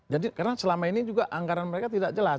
jadi karena selama ini juga anggaran mereka tidak jelas